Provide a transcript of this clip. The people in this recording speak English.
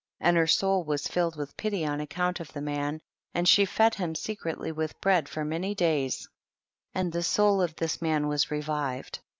27. And her soul was filled with pity on account of the man, and she fed him secretly with bread for many days, and the soul of this man was revived.